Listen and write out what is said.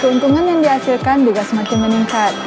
keuntungan yang dihasilkan juga semakin meningkat